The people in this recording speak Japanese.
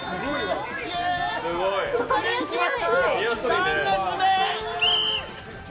３列目！